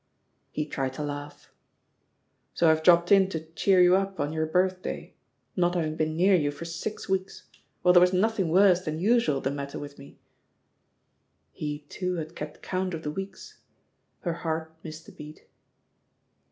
He tried to laugh. "So I've dropped in to cheer you up on your birthday — ^not having been near you for six weeks, while there was nothing worse than usual the matter with mel" He, too, had kept coimt of the weeks 1 Her heart missed a beat.